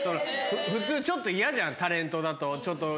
普通ちょっと嫌じゃんタレントだといっぱいいると。